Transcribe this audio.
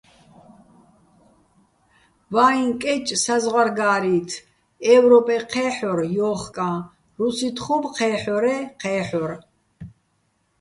ვაჲჼ კეჭ საზღვარგა́რი́თ, ე́ვროპე ჴე́ჰ̦ორ ჲოხკაჼ, რუსი́თ ხუმ ჴე́ჰ̦ორე́ ჴე́ჰ̦ორ.